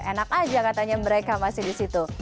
enak aja katanya mereka masih disitu